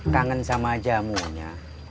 kangen sama jamunya